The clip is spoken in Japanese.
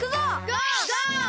ゴー！